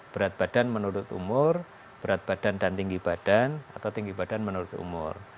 berat badan menurut umur berat badan dan tinggi badan atau tinggi badan menurut umur